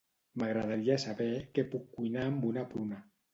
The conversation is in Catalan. M'agradaria saber què puc cuinar amb una pruna.